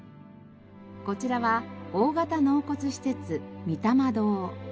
こちらは大型納骨施設